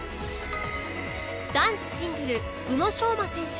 男子シングル宇野昌磨選手